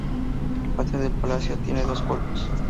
El patio del Palacio tiene dos cuerpos.